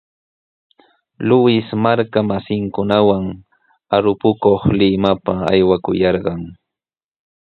Luis marka masinkunawan arupakuq Limapa aywakuyarqan.